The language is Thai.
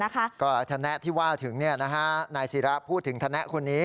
ก็แทนะที่ว่าถึงนี่นะฮะนายศิราพูดถึงแทนะคนนี้